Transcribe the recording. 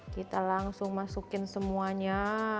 kita langsung masukin semuanya